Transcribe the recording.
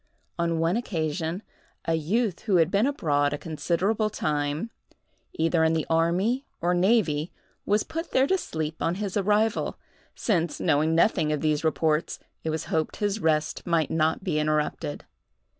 On one occasion, a youth who had been abroad a considerable time, either in the army or navy, was put there to sleep on his arrival, since, knowing nothing of these reports, it was hoped his rest might not be interrupted.